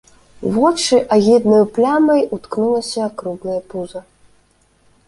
У вочы агіднаю плямай уткнулася круглае пуза.